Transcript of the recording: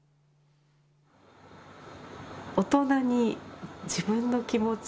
大人に自分の気持ち